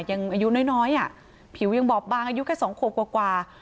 ยังอายุน้อยน้อยอ่ะผิวยังบอบบางอายุแค่สองโคบกว่ากว่า